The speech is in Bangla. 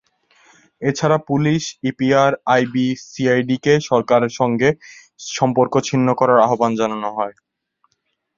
এছাড়া পুলিশ, ইপিআর, আইবি, সিআইডিকে সরকারের সঙ্গে সম্পর্ক ছিন্ন করার আহবান জানানো হয়।